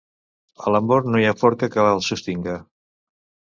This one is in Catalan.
A l'amor no hi ha forca que el sostinga.